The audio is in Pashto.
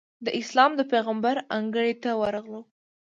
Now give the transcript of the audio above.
د اسلام د پېغمبر انګړ ته ورغلو.